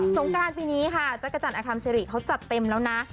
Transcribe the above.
งกรานปีนี้ค่ะจักรจันทร์อคัมซิริเขาจัดเต็มแล้วนะ